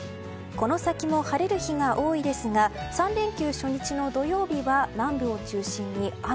この先も晴れる日が多いですが３連休初日の土曜日は南部を中心に雨。